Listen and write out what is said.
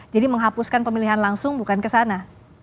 jadi menghapuskan pemilihan langsung bukan ke sana